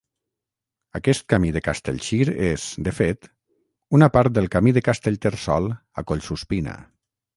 Aquest camí de Castellcir és, de fet, una part del Camí de Castellterçol a Collsuspina.